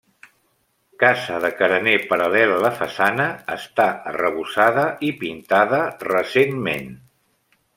Casa de carener paral·lel a la façana, està arrebossada i pintada recentment.